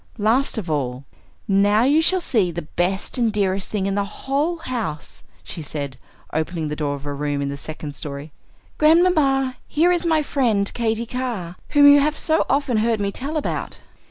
Last of all, "Now you shall see the best and dearest thing in the whole house," she said, opening the door of a room in the second story. "Grandmamma, here is my friend Katy Carr, whom you have so often heard me tell about."